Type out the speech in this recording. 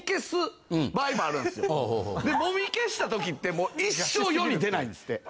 もみ消した時ってもう一生世に出ないんですって。